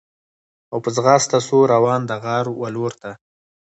او په ځغاسته سو روان د غار و لورته